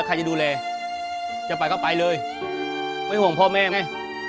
ใครจะดูแลจะไปก็ไปเลยไม่ห่วงพ่อแม่ไง